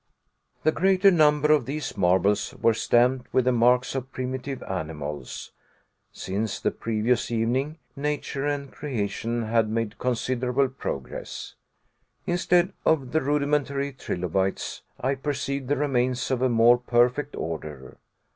The greater number of these marbles were stamped with the marks of primitive animals. Since the previous evening, nature and creation had made considerable progress. Instead of the rudimentary trilobites, I perceived the remains of a more perfect order.